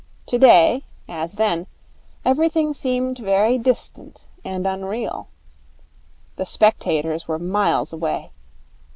Today, as then, everything seemed very distant and unreal. The spectators were miles away.